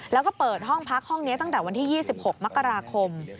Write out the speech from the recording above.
แล้วก็เปิดห้องพักห้องนี้ตั้งแต่วันที่๒๖มกราคม